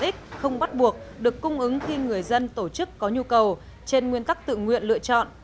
tiện ích không bắt buộc được cung ứng khi người dân tổ chức có nhu cầu trên nguyên tắc tự nguyện lựa chọn